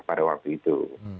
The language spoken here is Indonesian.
pada waktu itu